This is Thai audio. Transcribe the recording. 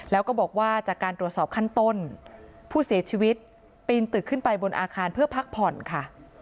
แล้วก็บอกว่าจากการตรวจสอบขั้นต้นผู้เสียชีวิตปีนตึกขึ้นไปบนอาคารเพื่อพักผ่อนค่ะ